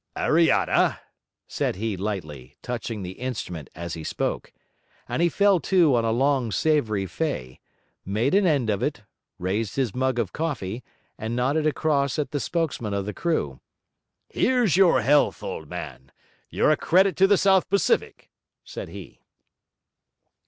'Ariana,' said he lightly, touching the instrument as he spoke; and he fell to on a long savoury fei, made an end of it, raised his mug of coffee, and nodded across at the spokesman of the crew. 'Here's your health, old man; you're a credit to the South Pacific,' said he.